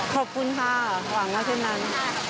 ขอบคุณค่ะหวังนะเช่นนั้น